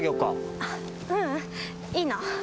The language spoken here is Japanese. ううんいいの。